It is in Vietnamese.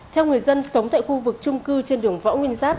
theo người dân sống tại khu vực trung cư trên đường võ nguyên giáp